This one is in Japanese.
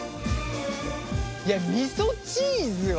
いやみそチーズは。